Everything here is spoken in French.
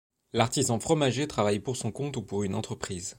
L'artisan fromager travaille pour son compte ou pour une entreprise.